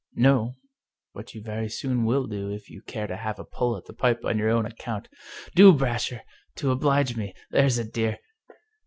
" No, but you very soon will do if you care to have a pull at the pipe on your own account. Do, Brasher, to oblige me ! There's a dear